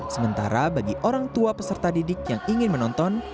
sementara bagi orang tua peserta didik yang ingin menonton